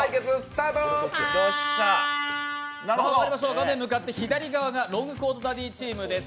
画面向かって左側がロングコートダディチームです。